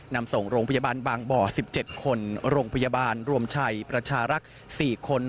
นำส่งโรงพยาบาลบางบ่อ๑๗คนโรงพยาบาลรวมชัยประชารักษ์๔คน